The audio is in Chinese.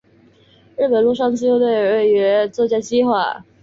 日本陆上自卫队主要之任务是用于防止海外势力的登陆作战计划。